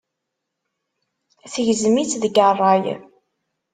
Tegzem-itt deg ṛṛay.